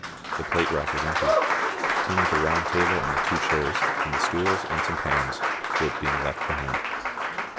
The plate rack was empty. Only the round table and the two chairs, and the stools and some pans were being left behind.